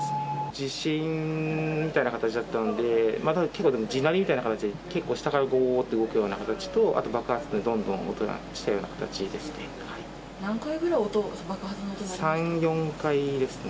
地震みたいな形だったんで、結構地鳴りみたいな形で、結構、下からごーって動くような形と、あと爆発でどんどん音がしたような形ですね。